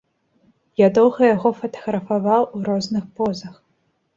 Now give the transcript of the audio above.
Я доўга яго фатаграфаваў у розных позах.